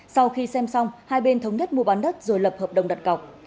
sau khi xem xong hai bên thống nhất mua bán đất rồi lập hợp đồng đặt cọc